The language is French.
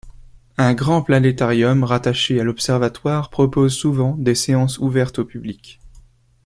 Un grand planétarium rattaché à l'observatoire propose souvent des séances ouvertes au public.